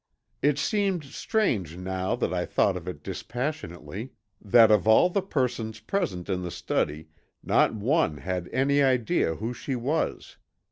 It seemed strange now that I thought of it dispassionately, that of all the persons present in the study not one had any idea who she was.